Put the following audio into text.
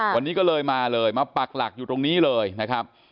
วันนี้ก็เลยมาเลยมาปักหลักอยู่ตรงนี้เลยนะครับ